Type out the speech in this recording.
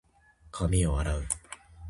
髪を洗う。